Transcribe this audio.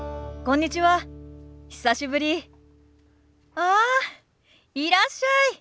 ああいらっしゃい。